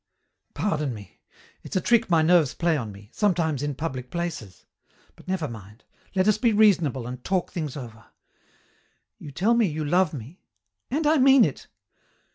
"Pardon me. It's a trick my nerves play on me, sometimes in public places. But never mind. Let us be reasonable and talk things over. You tell me you love me " "And I mean it."